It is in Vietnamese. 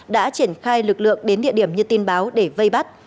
đã triển khai lực lượng đến địa điểm như tin báo để vây bắt